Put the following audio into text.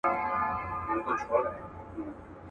دا د جرګو دا د وروریو وطن.